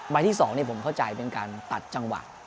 ที่๒ผมเข้าใจเป็นการตัดจังหวะ